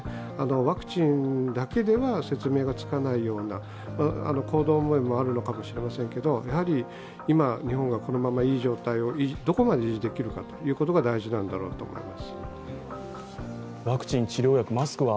ワクチンだけでは説明がつかないような行動面もあるのかもしれませんけどやはり今、日本はこのままいい状態をどこまで維持できるかが大事なんだろうと思います。